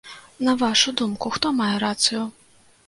На вашу думку, хто мае рацыю?